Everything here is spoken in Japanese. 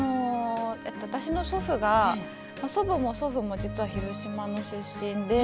私の祖父が祖母も祖父も実は広島の出身で。